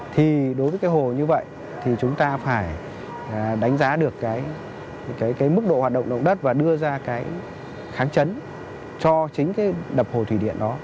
thì đối với cái hồ như vậy thì chúng ta phải đánh giá được cái mức độ hoạt động động đất và đưa ra cái kháng chấn cho chính cái đập hồ thủy điện đó